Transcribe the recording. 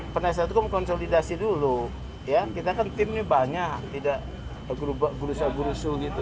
penasihat hukum konsolidasi dulu ya kita kan timnya banyak tidak berubah gurus gurus gitu